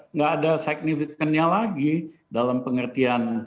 enggak ada signifikan lagi dalam pengertian